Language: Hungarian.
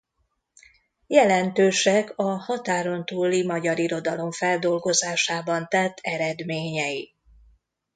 Jelentősek a határon túli magyar irodalom feldolgozásában tett eredményei.